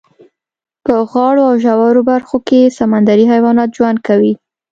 په غاړو او ژورو برخو کې یې سمندري حیوانات ژوند کوي.